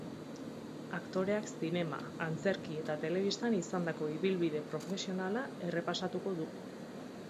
Aktoreak zinema, antzerki eta telebistan izandako ibilbide profesionala errepasatuko du.